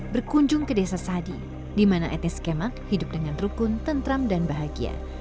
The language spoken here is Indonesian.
berkunjung ke desa sadi di mana etis kemak hidup dengan rukun tentram dan bahagia